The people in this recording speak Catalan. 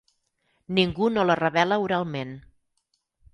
Ningú no la revela oralment.